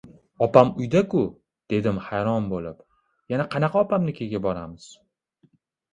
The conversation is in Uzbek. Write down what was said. — Opam uyda-ku? — dedim hayron bo‘lib. — Yana qanaqa opamnikiga boramiz?